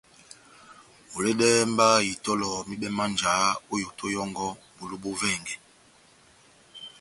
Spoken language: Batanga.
Huledɛhɛ mba itɔlɔ mibɛ má njáhá ó yoto yɔ́ngɔ bulu bó vɛngɛ.